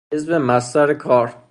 حزب مصدر کار